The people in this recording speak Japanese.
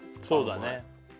そうだね